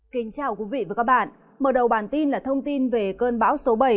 kính chào quý vị và các bạn mở đầu bản tin là thông tin về cơn bão số bảy